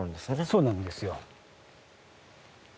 そうなんですよ。